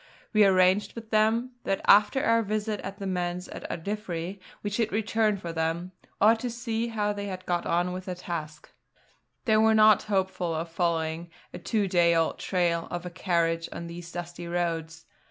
We arranged with them that after our visit to the Manse at Ardiffery we should return for them, or to see how they had got on with their task. They were not hopeful of following a two day old trail of a carriage on these dusty roads.